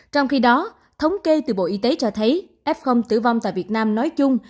trong khi đó thống kê từ bộ y tế cho thấy f tử vong tại việt nam nói chung